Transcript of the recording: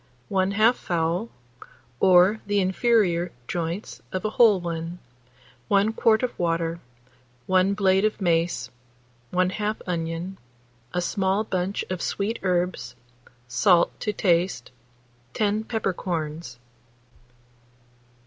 1/2 fowl, or the inferior joints of a whole one; 1 quart of water, 1 blade of mace, 1/2 onion, a small bunch of sweet herbs, salt to taste, 10 peppercorns.